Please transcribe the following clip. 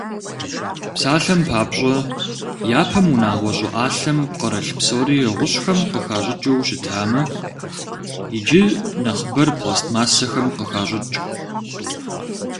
Псалъэм папщӀэ, япэм унагъуэ щӀыӀалъэм пкърылъ псори гъущӀхэм къыхащӀыкӀыу щытамэ, иджы нэхъыбэр пластмассэхэм къыхащӀыкӀ.